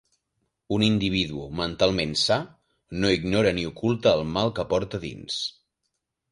Un individu mentalment sa no ignora ni oculta el mal que porta dins.